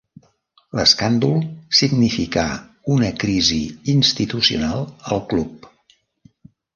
L'escàndol significà una crisi institucional al Club.